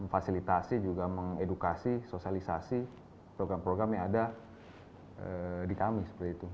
memfasilitasi juga mengedukasi sosialisasi program program yang ada di kami seperti itu